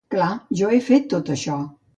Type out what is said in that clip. Clar, jo he fet tot això.